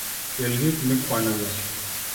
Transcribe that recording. Kel gik mikwanogo.